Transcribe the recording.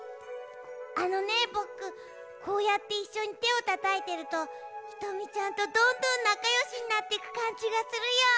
あのねぼくこうやっていっしょにてをたたいてるとひとみちゃんとどんどんなかよしになっていくかんじがするよ！